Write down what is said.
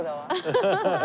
ハハハハ！